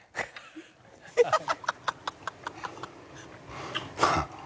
「ハハハハハ！」